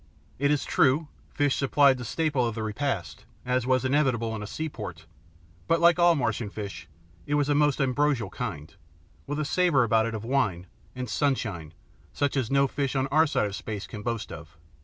It is true, fish supplied the staple of the repast, as was inevitable in a seaport, but, like all Martian fish, it was of ambrosial kind, with a savour about it of wine and sunshine such as no fish on our side of space can boast of.